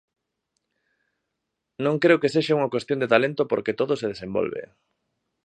Non creo que sexa unha cuestión de talento porque todo se desenvolve.